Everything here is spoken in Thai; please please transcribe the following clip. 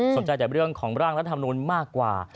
จากเรื่องของร่างรัฐมนุนมากกว่า